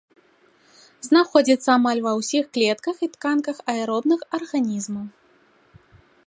Знаходзіцца амаль ва ўсіх клетках і тканках аэробных арганізмаў.